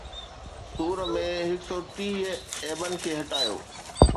سُور ۾ هڪ سؤ ٽيٽيهه عيبن کي هٽايو